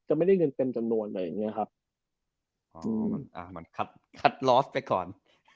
อ่าคัดลอสไปก่อน